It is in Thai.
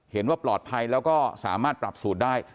เห็นว่าปลอดภัยแล้วก็สามารถปรับสูตรได้